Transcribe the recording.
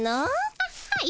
あっはい。